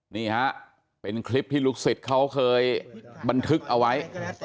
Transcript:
นี่ฮะเป็นคลิปที่ลูกศิษย์เขาเคยบันทึกเอาไว้